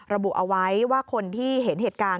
ระบุเอาไว้ว่าคนที่เห็นเหตุการณ์